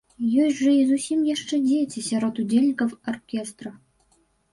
Ёсць жа і зусім яшчэ дзеці сярод удзельнікаў аркестра!